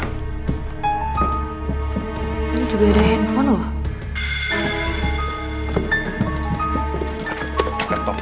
ini juga ada handphone loh